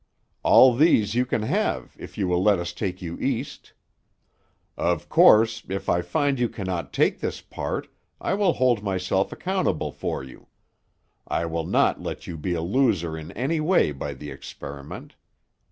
All these you can have if you will let us take you East. Of course, if I find you cannot take this part, I will hold myself accountable for you. I will not let you be a loser in any way by the experiment.